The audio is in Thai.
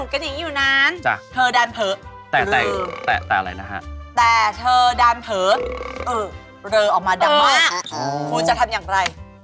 คุณจะทำอย่างไร